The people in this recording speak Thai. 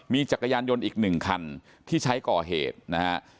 มีจักรยานยนต์อีก๑คันที่ใช้ก่อเหตุนะฮะ